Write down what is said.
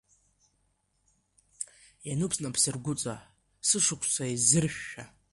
Иануп снапсыргәыҵа, сышықәсқәа еизыршәшәа.